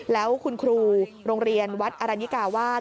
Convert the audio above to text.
แล้วคุณครูโรงเรียนวัดอรนิกาวาส